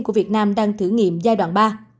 của việt nam đang thử nghiệm giai đoạn ba